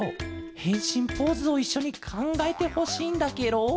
へんしんポーズをいっしょにかんがえてほしいんだケロ。